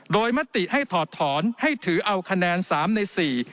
โดยมติให้ถอดถอนให้ถือเอาคะแนนสามในสี่